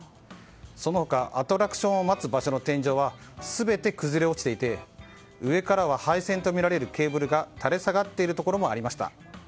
その他、アトラクションを待つ場所の天井は全て崩れ落ちていて上からは配線と見られるケーブルが垂れ下がっているところもありました。